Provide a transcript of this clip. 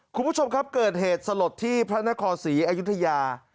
คุณผู้ชมครับเกิดเหตุสลดที่พระนครศรีอยุธยา